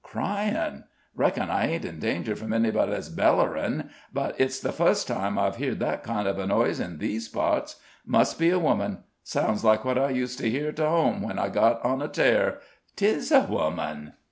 "Cryin'! Reckon I ain't in danger from anybody that's bellerin'; but it's the fust time I've heerd that kind of a noise in these parts. Must be a woman. Sounds like what I used to hear to home when I got on a tear; 'tis a woman!"